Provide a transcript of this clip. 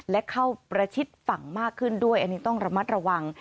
และเข้าประชิดฝั่งมากขึ้นด้วยอันนี้ต้องระมัดระวัง